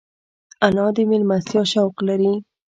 انا د مېلمستیا شوق لري